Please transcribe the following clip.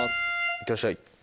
いってらっしゃい。